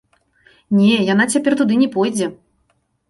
Не, яна цяпер туды не пойдзе!